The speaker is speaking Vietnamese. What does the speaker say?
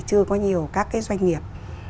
chưa có nhiều các cái doanh nghiệp